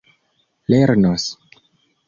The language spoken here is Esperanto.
lernos